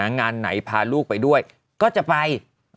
งานไหนพาลูกไปด้วยก็จะไป